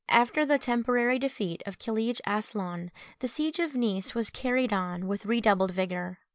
After the temporary defeat of Kilij Aslaun, the siege of Nice was carried on with redoubled vigour.